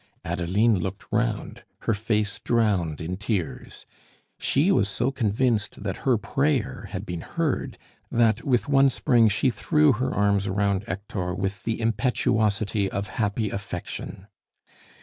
Adeline looked round, her face drowned in tears. She was so convinced that her prayer had been heard, that, with one spring, she threw her arms round Hector with the impetuosity of happy affection.